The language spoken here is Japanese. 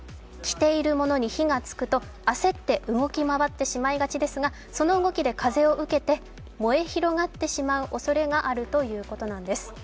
着ているものに火がつくと焦って動き回ってしまいがちですがその動きで風を受けて燃え広がってしまうおそれがあるということなんです。